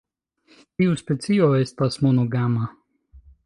Tiu specio estas monogama.